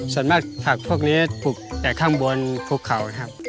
ส่วนมากผักพวกนี้ปลูกแต่ข้างบนภูเขานะครับ